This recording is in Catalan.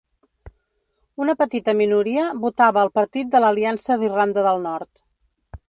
Una petita minoria votava al Partit de l'Aliança d'Irlanda del Nord.